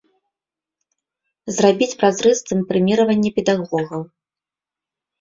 Зрабіць празрыстым прэміраванне педагогаў.